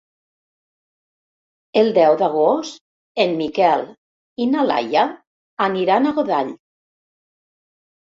El deu d'agost en Miquel i na Laia aniran a Godall.